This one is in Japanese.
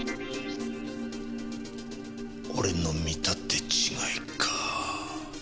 俺の見立て違いかぁ。